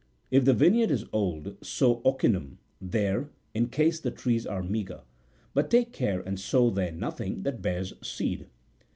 If the vineyard is old, sow ocinuni50 there, in case the trees are meagre : but take care and sow there nothing that bears seed.